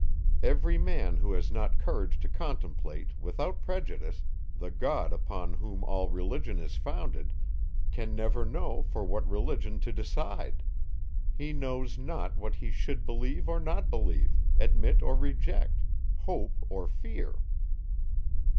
Every man who has not courage to contemplate, without prejudice, the God upon whom all religion is founded, can never know for what religion to decide: he knows not what he should believe or not believe, admit or reject, hope or fear.